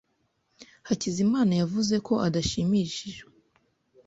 Hakizimana yavuze ko adashimishijwe.